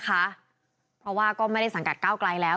เพราะว่าก็ไม่ได้สังกัดก้าวไกลแล้ว